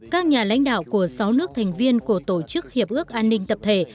các nhà lãnh đạo của sáu nước thành viên của tổ chức hiệp ước an ninh tập thể